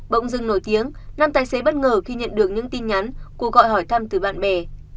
bỗng dưng nổi tiếng năm tài xế bất ngờ khi nhận được những tin nhắn cuộc gọi hỏi thăm từ bạn bè